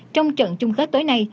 trong trận chung kết tối nay